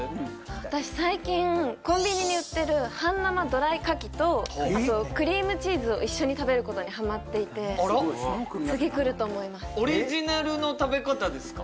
私最近コンビニに売ってる半生ドライ柿とクリームチーズを一緒に食べることにハマっていて次くると思いますオリジナルの食べ方ですか？